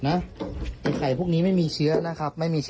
ในน้ำมีในน้ำมี